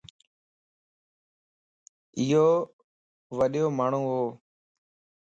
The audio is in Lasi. ايو وڏيو ماڻھون وَ